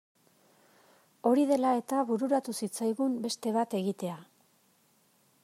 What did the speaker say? Hori dela eta bururatu zitzaigun beste bat egitea.